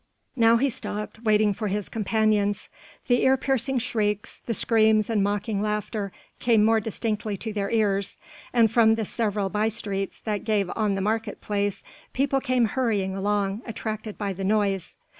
Now he stopped, waiting for his companions. The ear piercing shrieks, the screams and mocking laughter came more distinctly to their ears, and from the several bye streets that gave on the Market Place, people came hurrying along, attracted by the noise.